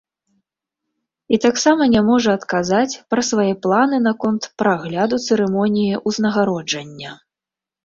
І таксама не можа адказаць пра свае планы наконт прагляду цырымоніі ўзнагароджання.